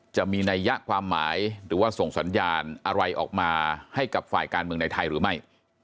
จะมีนัยยะความหมายหรือว่าส่งสัญญาณอะไรออกมาให้กับฝ่ายการเมืองในไทยหรือไม่